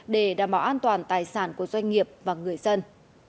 để đảm bảo an toàn tài sản của doanh nghiệp và người dân